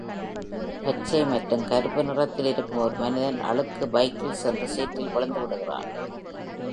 பச்சை மற்றும் கருப்பு நிறத்தில் இருக்கும் ஒரு மனிதன் அழுக்கு பைக்கில் சென்று சேற்றில் விழுந்துவிடுகிறான்.